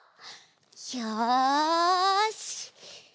よし！